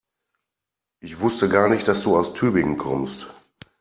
Ich wusste gar nicht, dass du aus Tübingen kommst